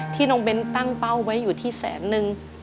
น้องเบ้นตั้งเป้าไว้อยู่ที่แสนนึง